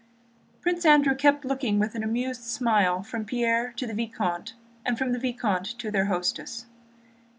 Prince Andrew kept looking with an amused smile from Pierre to the vicomte and from the vicomte to their hostess.